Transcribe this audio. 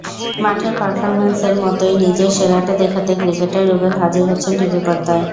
মাঠের পারফরম্যান্সের মতোই নিজের সেরাটা দেখাতে ক্রিকেটার রুবেল হাজির হচ্ছেন টিভি পর্দায়।